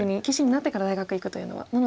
棋士になってから大学行くというのは。